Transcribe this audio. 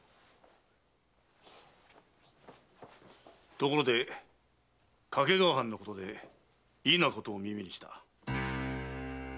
ところで掛川藩のことで異なことを耳にした。